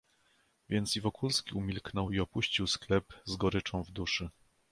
"Więc i Wokulski umilknął i opuścił sklep z goryczą w duszy."